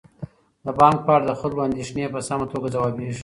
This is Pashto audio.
د بانک په اړه د خلکو اندیښنې په سمه توګه ځوابیږي.